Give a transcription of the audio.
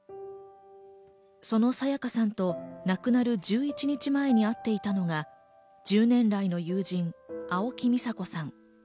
その沙也加さんと亡くなる１１日前に会っていたのが１０年来の友人・青木美沙子さん。